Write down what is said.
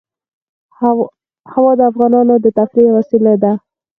هوا د افغانانو د تفریح یوه وسیله ده.